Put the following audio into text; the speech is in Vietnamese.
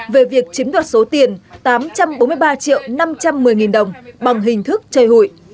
về việc chiếm đoạt số tiền tám trăm bốn mươi ba triệu năm trăm một mươi nghìn đồng bằng hình thức chơi hụi